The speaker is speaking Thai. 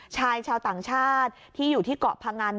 ชายชาวต่างชาติที่อยู่ที่เกาะพงัน